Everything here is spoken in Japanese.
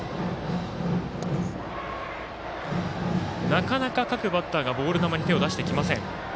なかなか各バッターがボール球に手を出してきません。